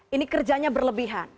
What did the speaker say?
ini kerjanya berlebihan